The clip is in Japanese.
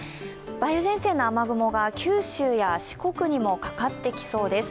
梅雨前線の雨雲が九州や四国にもかかってきそうです。